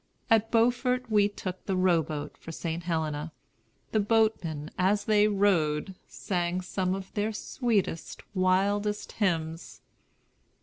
At Beaufort we took the row boat for St. Helena. The boatmen as they rowed sang some of their sweetest, wildest hymns.